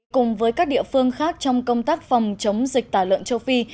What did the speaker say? cùng với các địa phương khác trong công tác phòng chống dịch tả lợn châu phi